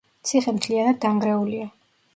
ციხე მთლიანად დანგრეულია.